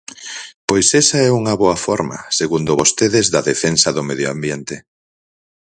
Pois esa é unha boa forma, segundo vostedes, da defensa do medio ambiente.